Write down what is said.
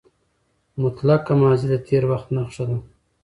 مطلقه ماضي د تېر وخت نخښه ده.